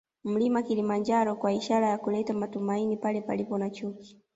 Mlima Kilimanjaro kwa ishara ya kuleta matumaini pale palipo na chuki